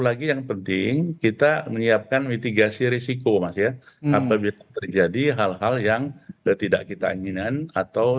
lagi yang penting kita menyiapkan mitigasi risiko mas ya apabila terjadi hal hal yang tidak kita inginkan atau